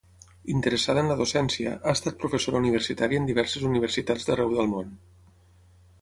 Interessada en la docència, ha estat professora universitària en diverses universitats d'arreu del món.